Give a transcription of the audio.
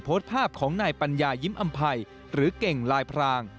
โพสต์ภาพของนายปัญญายิ้มอำภัยหรือเก่งลายพราง